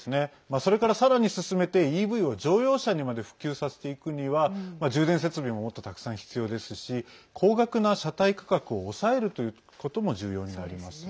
それから、さらに進めてＥＶを乗用車にまで普及させていくには充電設備ももっとたくさん必要ですし高額な車体価格を抑えるということも重要になります。